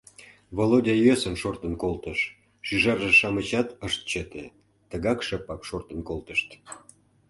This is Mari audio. Володя йӧсын шортын колтыш, шӱжарже-шамычат ышт чыте, тыгак шыпак шортын колтышт.